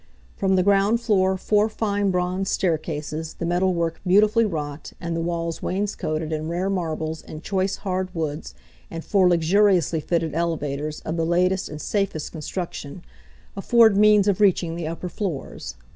From the ground floor four fine bronze staircases, the metal work beutifully wrought and the walls wainscoated in rare marbles and choice hard woods, and four luxuriously fitted elevators, of the latest and safest construction, afford means of reaching the upper floors.